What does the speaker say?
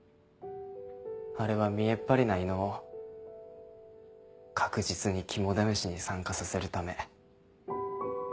あれは見えっ張りな伊能を確実に肝試しに参加させるため。